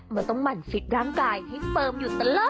มันต้องหมั่นฟิตร่างกายให้เฟิร์มอยู่ตลอด